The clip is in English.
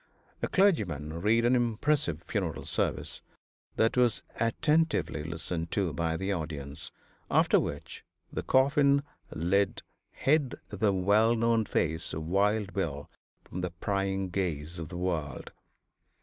A clergyman read an impressive funeral service, that was attentively listened to by the audience, after which the coffin lid hid the well known face of Wild Bill from the prying gaze of the world.